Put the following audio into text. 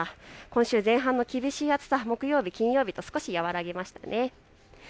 今週前半の厳しい暑さ、木曜日、金曜日と和らぎましたね。